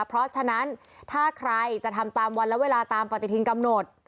เพราะฉะนั้นถ้าใครจะทำตามวันและเวลาตามปฏิทินกำหนด